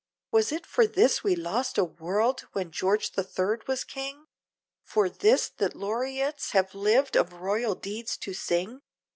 Was it for this we lost a world! when George the Third was king? For this! that laureates have lived of royal deeds to sing?